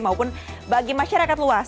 maupun bagi masyarakat luas